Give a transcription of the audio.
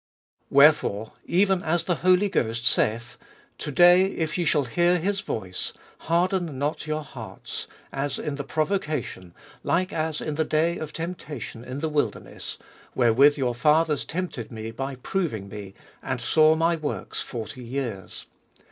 Wherefore, even as the Holy Ghost saith, To day, if ye shall hear his voice, 8. Harden not your hearts, as in the provocation, Like as in the day of temptation in the wilderness, 9. Wherewith your fathers tempted me by proving me, And saw my works forty years.